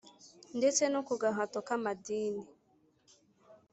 ndetse no ku gahato k`amadini.